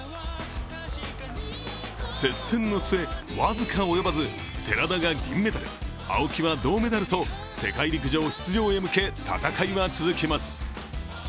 接戦の末、僅か及ばず、寺田が銀メダル、青木は銅メダルと世界陸上出場へ向け、戦いは続きます。